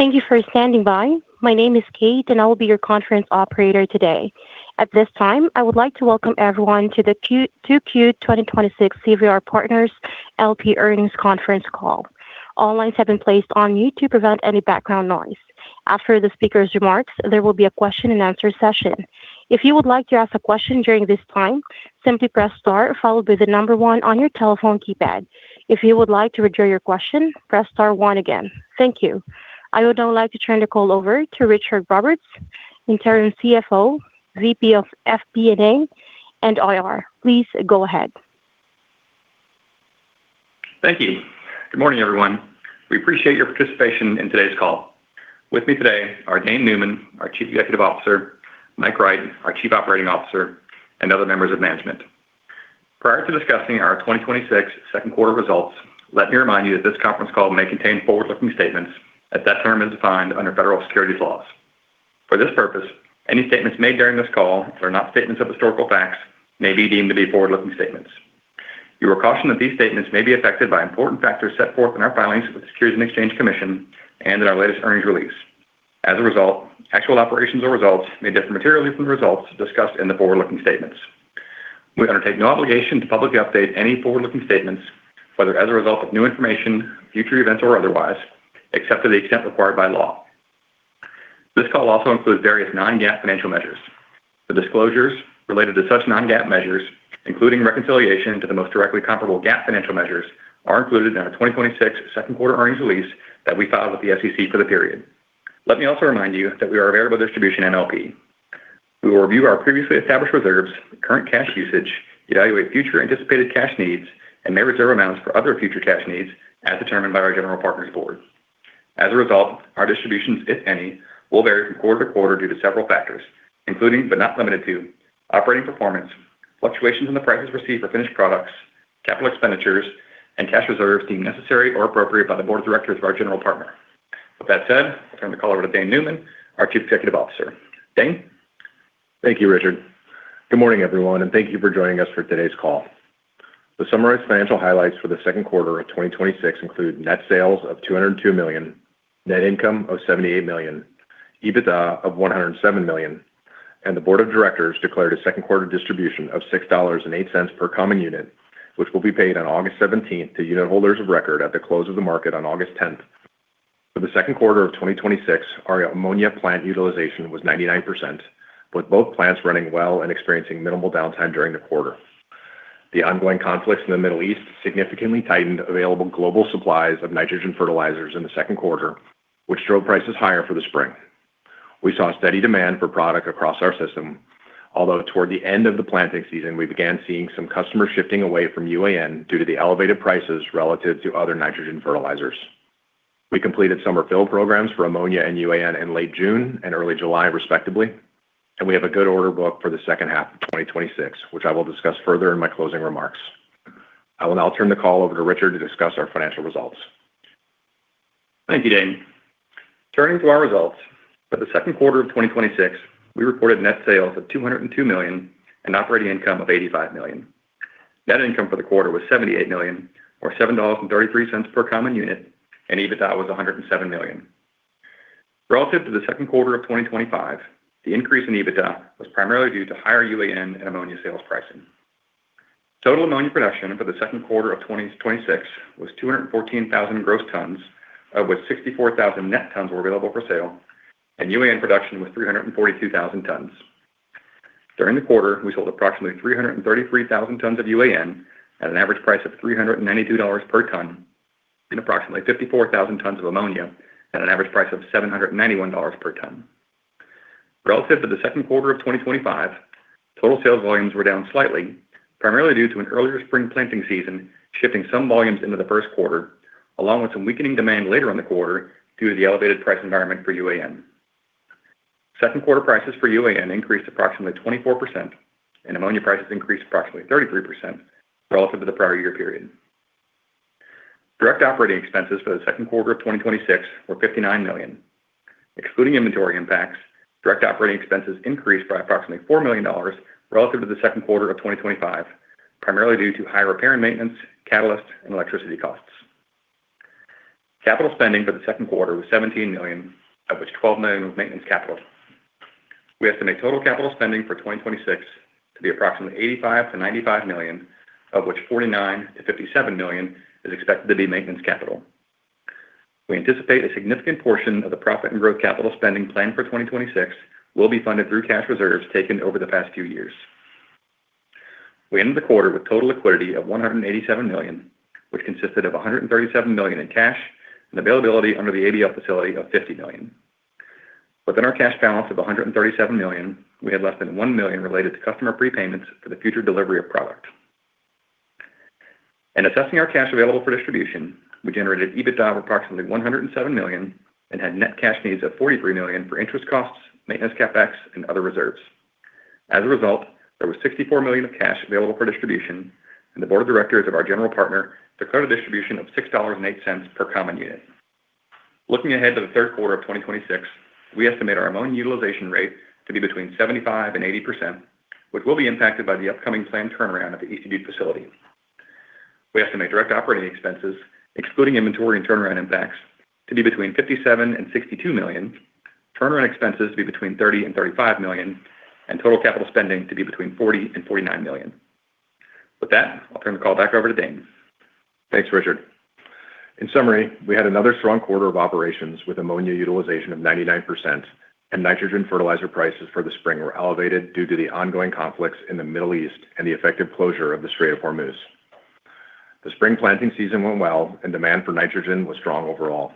Thank you for standing by. My name is Kate, and I will be your conference operator today. At this time, I would like to welcome everyone to the 2Q 2026 CVR Partners, LP Earnings Conference Call. All lines have been placed on mute to prevent any background noise. After the speaker's remarks, there will be a question and answer session. If you would like to ask a question during this time, simply press star 1 on your telephone keypad. If you would like to withdraw your question, press star one again. Thank you. I would now like to turn the call over to Richard Roberts, Interim CFO, VP of FP&A, and IR. Please go ahead. Thank you. Good morning, everyone. We appreciate your participation in today's call. With me today are Dane Neumann, our chief executive officer; Mike Wright, our chief operating officer; and other members of management. Prior to discussing our 2026 second quarter results, let me remind you that this conference call may contain forward-looking statements as that term is defined under federal securities laws. For this purpose, any statements made during this call that are not statements of historical facts may be deemed to be forward-looking statements. You are cautioned that these statements may be affected by important factors set forth in our filings with the Securities and Exchange Commission and in our latest earnings release. As a result, actual operations or results may differ materially from the results discussed in the forward-looking statements. We undertake no obligation to publicly update any forward-looking statements, whether as a result of new information, future events, or otherwise, except to the extent required by law. This call also includes various non-GAAP financial measures. The disclosures related to such non-GAAP measures, including reconciliation to the most directly comparable GAAP financial measures, are included in our 2026 second quarter earnings release that we filed with the SEC for the period. Let me also remind you that we are a variable distribution MLP. We will review our previously established reserves, current cash usage, evaluate future anticipated cash needs, and may reserve amounts for other future cash needs as determined by our general partner's board. As a result, our distributions, if any, will vary from quarter to quarter due to several factors, including, but not limited to, operating performance, fluctuations in the prices received for finished products, capital expenditures, and cash reserves deemed necessary or appropriate by the board of directors of our general partner. With that said, I'll turn the call over to Dane Neumann, our Chief Executive Officer. Dane? Thank you, Richard. Good morning, everyone, and thank you for joining us for today's call. The summarized financial highlights for the second quarter of 2026 include net sales of $202 million, net income of $78 million, EBITDA of $107 million, and the board of directors declared a second quarter distribution of $6.08 per common unit, which will be paid on August 17th to unitholders of record at the close of the market on August 10th. For the second quarter of 2026, our ammonia plant utilization was 99%, with both plants running well and experiencing minimal downtime during the quarter. The ongoing conflicts in the Middle East significantly tightened available global supplies of nitrogen fertilizers in the second quarter, which drove prices higher for the spring. We saw steady demand for product across our system, although toward the end of the planting season, we began seeing some customers shifting away from UAN due to the elevated prices relative to other nitrogen fertilizers. We completed summer fill programs for ammonia and UAN in late June and early July, respectively, and we have a good order book for the second half of 2026, which I will discuss further in my closing remarks. I will now turn the call over to Richard to discuss our financial results. Thank you, Dane. Turning to our results, for the second quarter of 2026, we reported net sales of $202 million and operating income of $85 million. Net income for the quarter was $78 million, or $7.33 per common unit, and EBITDA was $107 million. Relative to the second quarter of 2025, the increase in EBITDA was primarily due to higher UAN and ammonia sales pricing. Total ammonia production for the second quarter of 2026 was 214,000 gross tons, of which 64,000 net tons were available for sale, and UAN production was 342,000 tons. During the quarter, we sold approximately 333,000 tons of UAN at an average price of $392 per ton and approximately 54,000 tons of ammonia at an average price of $791 per ton. Relative to the second quarter of 2025, total sales volumes were down slightly, primarily due to an earlier spring planting season, shifting some volumes into the first quarter, along with some weakening demand later in the quarter due to the elevated price environment for UAN. Second-quarter prices for UAN increased approximately 24%, and ammonia prices increased approximately 33% relative to the prior-year period. Direct operating expenses for the second quarter of 2026 were $59 million. Excluding inventory impacts, direct operating expenses increased by approximately $4 million relative to the second quarter of 2025, primarily due to higher repair and maintenance, catalyst, and electricity costs. Capital spending for the second quarter was $17 million, of which $12 million was maintenance capital. We estimate total capital spending for 2026 to be approximately $85 million-$95 million, of which $49 million-$57 million is expected to be maintenance capital. We anticipate a significant portion of the profit and growth capital spending plan for 2026 will be funded through cash reserves taken over the past few years. We ended the quarter with total liquidity of $187 million, which consisted of $137 million in cash and availability under the ABL facility of $50 million. Within our cash balance of $137 million, we had less than $1 million related to customer prepayments for the future delivery of products. In assessing our cash available for distribution, we generated EBITDA of approximately $107 million and had net cash needs of $43 million for interest costs, maintenance CapEx, and other reserves. As a result, there was $64 million of cash available for distribution, and the board of directors of our general partner declared a distribution of $6.08 per common unit. Looking ahead to the third quarter of 2026, we estimate our ammonia utilization rate to be between 75% and 80%, which will be impacted by the upcoming planned turnaround at the East Dubuque facility. We estimate direct operating expenses, excluding inventory and turnaround impacts, to be between $57 million and $62 million, turnaround expenses to be between $30 million and $35 million, and total capital spending to be between $40 million and $49 million. With that, I'll turn the call back over to Dane. Thanks, Richard. In summary, we had another strong quarter of operations with ammonia utilization of 99%, and nitrogen fertilizer prices for the spring were elevated due to the ongoing conflicts in the Middle East and the effective closure of the Strait of Hormuz. The spring planting season went well, and demand for nitrogen was strong overall.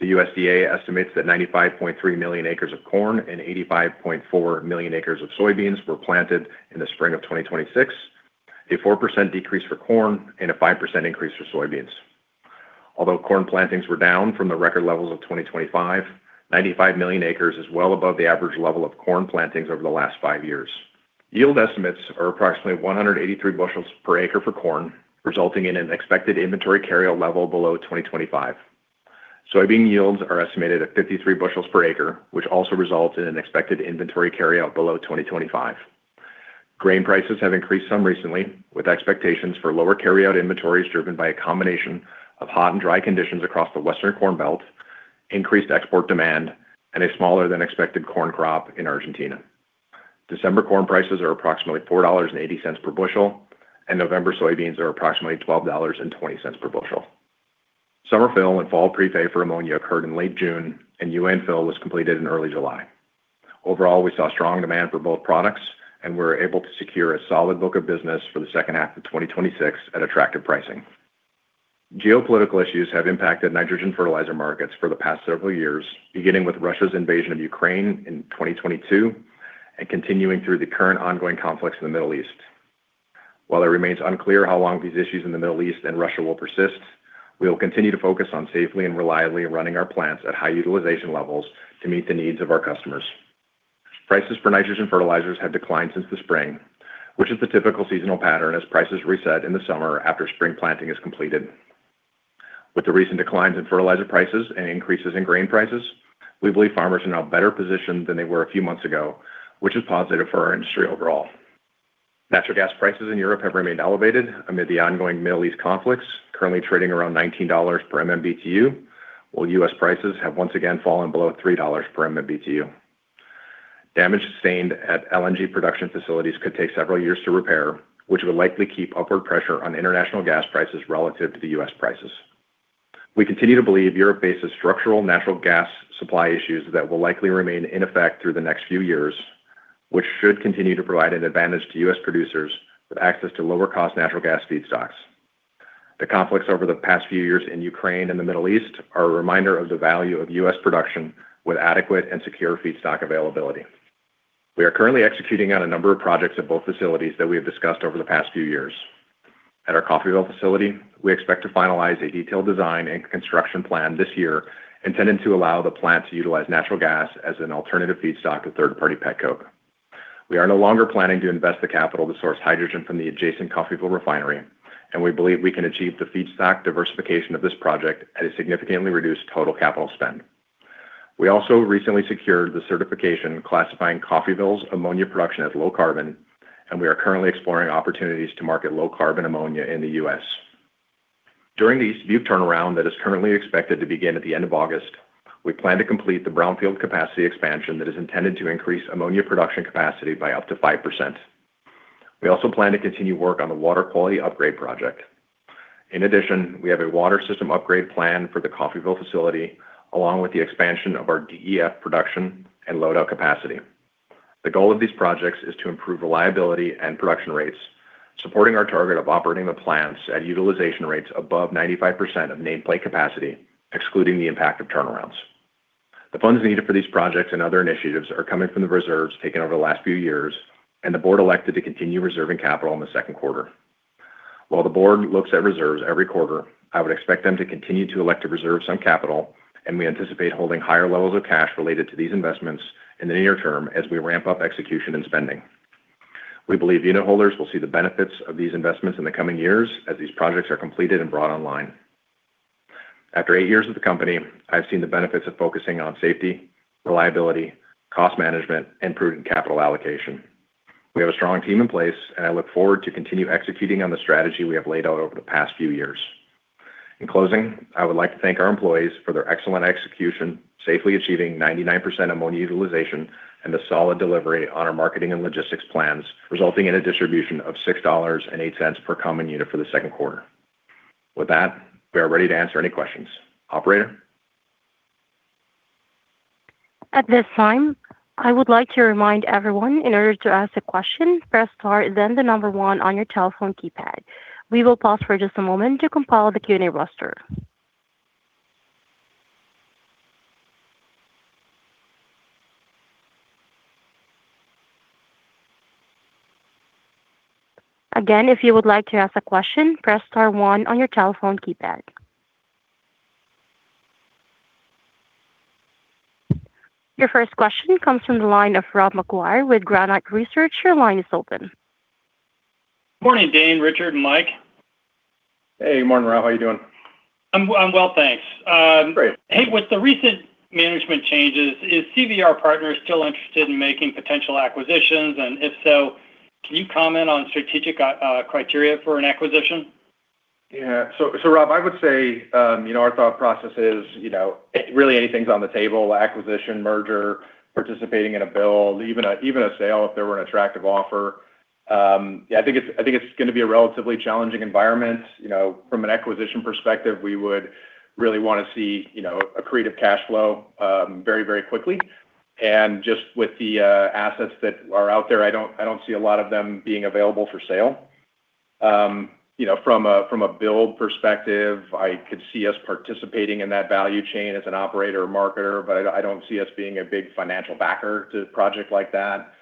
The USDA estimates that 95.3 million acres of corn and 85.4 million acres of soybeans were planted in the spring of 2026, a 4% decrease for corn and a 5% increase for soybeans. Although corn plantings were down from the record levels of 2025, 95 million acres is well above the average level of corn plantings over the last five years. Yield estimates are approximately 183 bushels per acre for corn, resulting in an expected inventory carryout level below 2025. Soybean yields are estimated at 53 bushels per acre, which also results in an expected inventory carryout below 2025. Grain prices have increased some recently, with expectations for lower carryout inventories driven by a combination of hot and dry conditions across the Western corn belt, increased export demand, and a smaller-than-expected corn crop in Argentina. December corn prices are approximately $4.80 per bushel, and November soybeans are approximately $12.20 per bushel. Summer fill and fall pre-pay for ammonia occurred in late June, and UAN fill was completed in early July. Overall, we saw strong demand for both products and were able to secure a solid book of business for the second half of 2026 at attractive pricing. Geopolitical issues have impacted nitrogen fertilizer markets for the past several years, beginning with Russia's invasion of Ukraine in 2022 and continuing through the current ongoing conflicts in the Middle East. While it remains unclear how long these issues in the Middle East and Russia will persist, we will continue to focus on safely and reliably running our plants at high utilization levels to meet the needs of our customers. Prices for nitrogen fertilizers have declined since the spring, which is the typical seasonal pattern as prices reset in the summer after spring planting is completed. With the recent declines in fertilizer prices and increases in grain prices, we believe farmers are now better positioned than they were a few months ago, which is positive for our industry overall. Natural gas prices in Europe have remained elevated amid the ongoing Middle East conflicts, currently trading around $19 per MMBtu, while U.S. prices have once again fallen below $3 per MMBtu. Damage sustained at LNG production facilities could take several years to repair, which will likely keep upward pressure on international gas prices relative to the U.S. prices. We continue to believe Europe faces structural natural gas supply issues that will likely remain in effect through the next few years, which should continue to provide an advantage to U.S. producers with access to lower-cost natural gas feedstocks. The conflicts over the past few years in Ukraine and the Middle East are a reminder of the value of U.S. production with adequate and secure feedstock availability. We are currently executing on a number of projects at both facilities that we have discussed over the past few years. At our Coffeyville facility, we expect to finalize a detailed design and construction plan this year intended to allow the plant to utilize natural gas as an alternative feedstock to third-party petcoke. We are no longer planning to invest the capital to source hydrogen from the adjacent Coffeyville refinery, and we believe we can achieve the feedstock diversification of this project at a significantly reduced total capital spend. We also recently secured the certification classifying Coffeyville's ammonia production as low-carbon, and we are currently exploring opportunities to market low-carbon ammonia in the U.S. During the East Dubuque turnaround that is currently expected to begin at the end of August, we plan to complete the brownfield capacity expansion that is intended to increase ammonia production capacity by up to 5%. We also plan to continue work on the water quality upgrade project. In addition, we have a water system upgrade plan for the Coffeyville facility, along with the expansion of our DEF production and load-out capacity. The goal of these projects is to improve reliability and production rates, supporting our target of operating the plants at utilization rates above 95% of nameplate capacity, excluding the impact of turnarounds. The funds needed for these projects and other initiatives are coming from the reserves taken over the last few years, and the board elected to continue reserving capital in the second quarter. While the board looks at reserves every quarter, I would expect them to continue to elect to reserve some capital, and we anticipate holding higher levels of cash related to these investments in the near term as we ramp up execution and spending. We believe unitholders will see the benefits of these investments in the coming years as these projects are completed and brought online. After eight years with the company, I've seen the benefits of focusing on safety, reliability, cost management, and prudent capital allocation. We have a strong team in place. I look forward to continue executing on the strategy we have laid out over the past few years. In closing, I would like to thank our employees for their excellent execution, safely achieving 99% ammonia utilization, and the solid delivery on our marketing and logistics plans, resulting in a distribution of $6.08 per common unit for the second quarter. With that, we are ready to answer any questions. Operator? At this time, I would like to remind everyone in order to ask a question, press star then the number one on your telephone keypad. We will pause for just a moment to compile the Q&A roster. Again, if you would like to ask a question, press star one on your telephone keypad. Your first question comes from the line of Rob McGuire with Granite Research. Your line is open. Morning, Dane, Richard, and Mike. Hey, morning, Rob. How are you doing? I'm well, thanks. Great. Hey, with the recent management changes, is CVR Partners still interested in making potential acquisitions? If so, can you comment on strategic criteria for an acquisition? Yeah. Rob, I would say our thought process is really anything's on the table: acquisition, merger, participating in a build, even a sale if there were an attractive offer. Yeah, I think it's going to be a relatively challenging environment. From an acquisition perspective, we would really want to see a creative cash flow very quickly. Just with the assets that are out there, I don't see a lot of them being available for sale. From a build perspective, I could see us participating in that value chain as an operator or marketer, but I don't see us being a big financial backer to a project like that.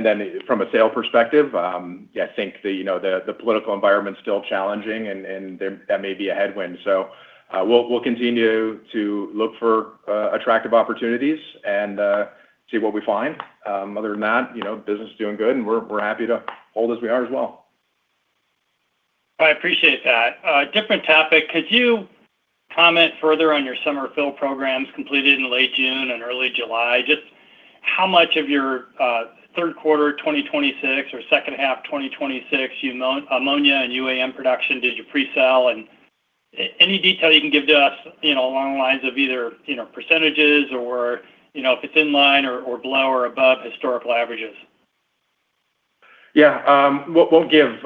Then from a sale perspective, yeah, I think the political environment's still challenging, and that may be a headwind. We'll continue to look for attractive opportunities and see what we find. Other than that, business is doing good and we're happy to hold as we are as well. I appreciate that. Different topic. Could you comment further on your summer fill programs completed in late June and early July? Just how much of your third quarter 2026 or second half 2026 ammonia and UAN production did you pre-sell? Any detail you can give to us along the lines of either a percentage or if it's in line or below or above historical averages. Yeah. Won't give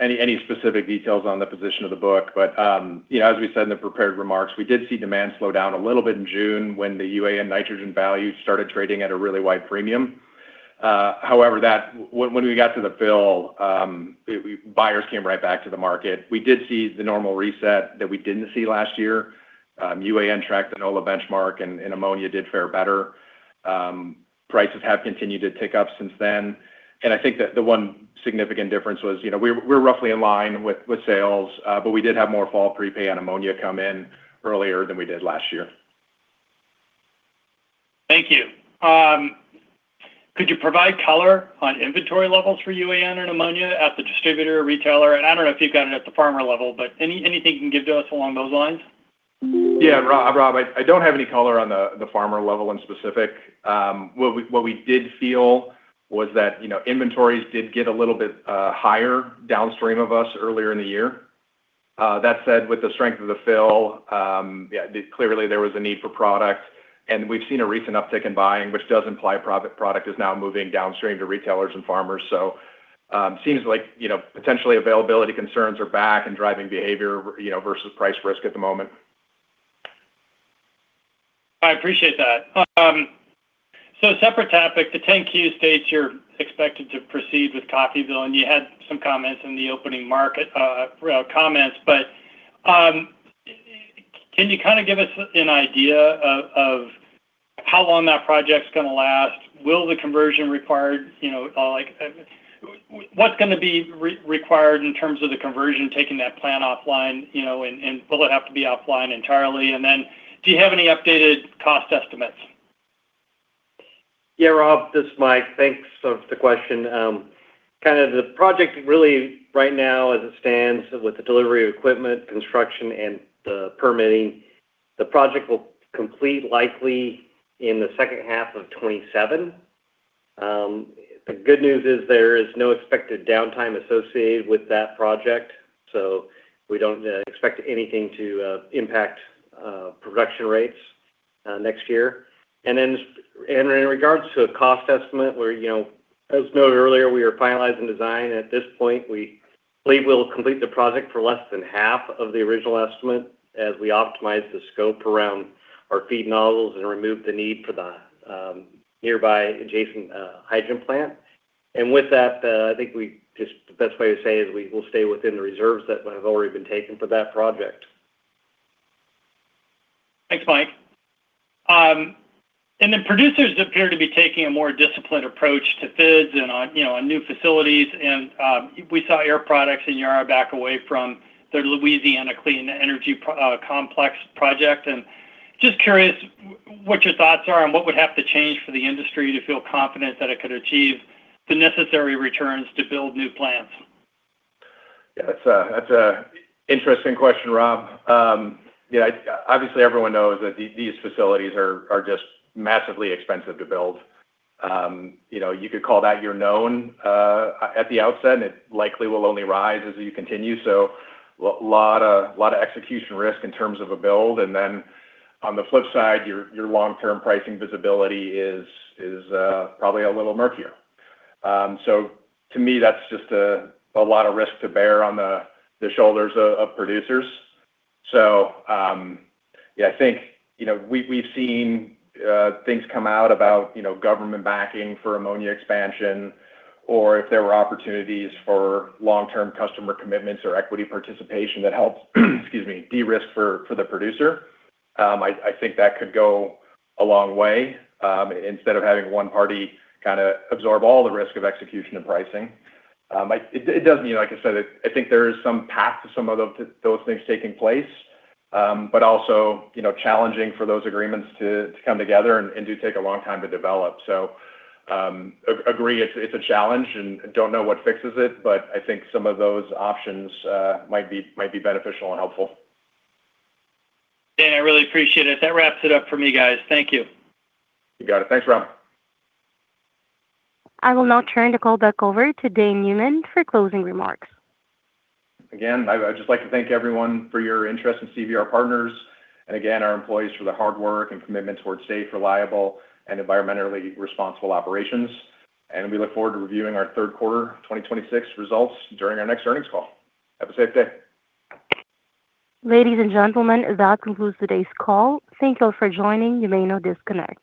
any specific details on the position of the book. As we said in the prepared remarks, we did see demand slow down a little bit in June when the UAN nitrogen value started trading at a really wide premium. However, when we got to the fill, buyers came right back to the market. We did see the normal reset that we didn't see last year. UAN tracked the NOLA benchmark, and ammonia did fare better. Prices have continued to tick up since then. I think that the one significant difference was we're roughly in line with sales, but we did have more fall prepay on ammonia come in earlier than we did last year. Thank you. Could you provide color on inventory levels for UAN and ammonia at the distributor retailer? I don't know if you've got it at the farmer level, but anything you can give to us along those lines? Yeah, Rob, I don't have any color on the farmer level in specific. What we did feel was that inventories did get a little bit higher downstream of us earlier in the year. That said, with the strength of the fill, yeah, clearly there was a need for product. We've seen a recent uptick in buying, which does imply product is now moving downstream to retailers and farmers. Seems like potentially availability concerns are back and driving behavior versus price risk at the moment. I appreciate that. Separate topic. The 10-Q states you're expected to proceed with Coffeyville, and you had some comments in the opening market comments. Can you give us an idea of how long that project's going to last? What's going to be required in terms of the conversion, taking that plant offline, and will it have to be offline entirely? Do you have any updated cost estimates? Yeah, Rob, this is Mike. Thanks for the question. The project really, right now as it stands, with the delivery of equipment, construction, and the permitting, the project will complete likely in the second half of 2027. The good news is there is no expected downtime associated with that project, so we don't expect anything to impact production rates next year. In regards to a cost estimate, as noted earlier, we are finalizing design. At this point, we believe we'll complete the project for less than half of the original estimate as we optimize the scope around our feed nozzles and remove the need for the nearby adjacent hydrogen plant. With that, I think the best way to say is we will stay within the reserves that have already been taken for that project. Thanks, Mike. Producers appear to be taking a more disciplined approach to FIDs on new facilities. We saw Air Products and Yara back away from their Louisiana Clean Energy Complex project. Just curious what your thoughts are on what would have to change for the industry to feel confident that it could achieve the necessary returns to build new plants. That's an interesting question, Rob. Obviously, everyone knows that these facilities are just massively expensive to build. You could call that your known at the outset, and it likely will only rise as you continue. A lot of execution risk in terms of a build. On the flip side, your long-term pricing visibility is probably a little murkier. To me, that's just a lot of risk to bear on the shoulders of producers. Yeah, I think we've seen things come out about government backing for ammonia expansion or if there were opportunities for long-term customer commitments or equity participation that helps, excuse me, de-risk for the producer. I think that could go a long way. Instead of having one party absorb all the risk of execution and pricing. Like I said, I think there is some path to some of those things taking place. Also, challenging for those agreements to come together and do take a long time to develop. I agree it's a challenge and don't know what fixes it, but I think some of those options might be beneficial and helpful. Dane, I really appreciate it. That wraps it up for me, guys. Thank you. You got it. Thanks, Rob. I will now turn the call back over to Dane Neumann for closing remarks. I'd just like to thank everyone for your interest in CVR Partners and, again, our employees for their hard work and commitment towards safe, reliable, and environmentally responsible operations. We look forward to reviewing our third quarter 2026 results during our next earnings call. Have a safe day. Ladies and gentlemen, that concludes today's call. Thank you all for joining. You may now disconnect.